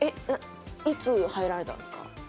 いつ入られたんですか？